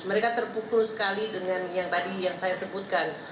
mereka terpukul sekali dengan yang tadi yang saya sebutkan